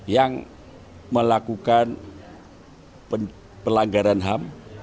yang melakukan pelanggaran ham